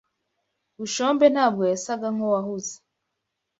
Bushombe ntabwo yasaga nkuwahuze.